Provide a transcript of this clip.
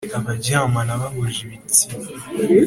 dore abaryamana bahuje ibitsina ,